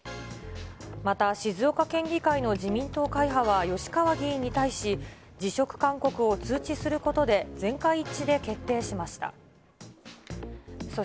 また、静岡県議会の自民党会派は吉川議員に対し、辞職勧告を通知することで全会一致で決定しました。